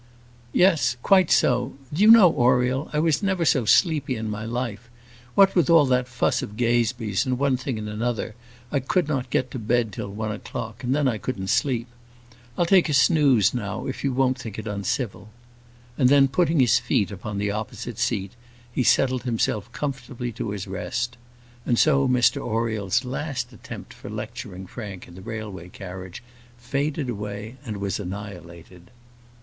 "Yes; quite so. Do you know, Oriel, I never was so sleepy in my life. What with all that fuss of Gazebee's, and one thing and another, I could not get to bed till one o'clock; and then I couldn't sleep. I'll take a snooze now, if you won't think it uncivil." And then, putting his feet upon the opposite seat, he settled himself comfortably to his rest. And so Mr Oriel's last attempt for lecturing Frank in the railway carriage faded away and was annihilated.